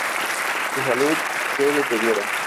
Su salud se deteriora.